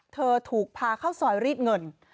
เธอถูกพาเข้าซอยรีดเงิน